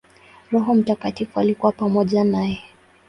Roho Mtakatifu alikuwa pamoja naye.